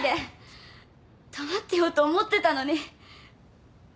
黙ってようと思ってたのに。